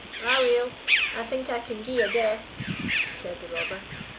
"Aweel, I think I can gie a guess," said the robber.